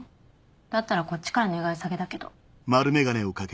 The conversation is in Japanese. だったらこっちから願い下げだけど。